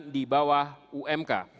di bawah umk